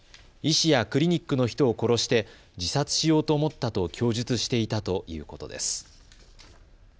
医師やクリニックの人を殺して自殺しようと思ったと供述していたということです。